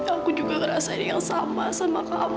aku juga ngerasain yang sama sama kamu